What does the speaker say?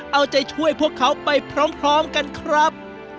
เอาใจช่วยพวกเขาไปพร้อมกันครับ